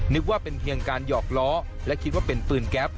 นึกว่าเป็นเพียงการหยอกล้อและคิดว่าเป็นปืนแก๊ป